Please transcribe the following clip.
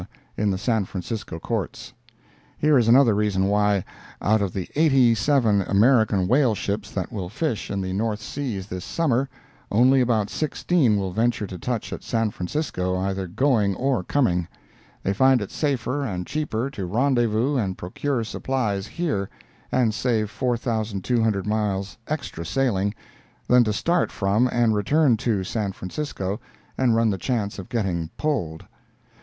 in the San Francisco Courts. Here is another reason why, out of the eighty seven American whaleships that will fish in the North seas this Summer, only about sixteen will venture to touch at San Francisco either going or coming: they find it safer and cheaper to rendezvous and procure supplies here, and save 4,200 miles extra sailing, than to start from, and return to, San Francisco and run the chance of getting "pulled."